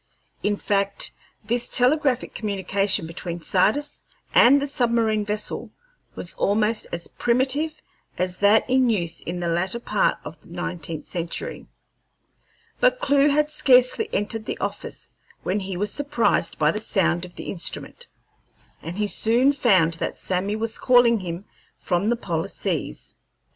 In fact, this telegraphic communication between Sardis and the submarine vessel was almost as primitive as that in use in the latter part of the nineteenth century. But Clewe had scarcely entered the office when he was surprised by the sound of the instrument, and he soon found that Sammy was calling to him from the polar seas.